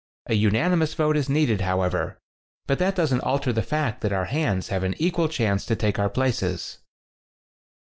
A unanimous vote is needed, however. But that doesn't alter the fact that our hands have an equal chance to take our places."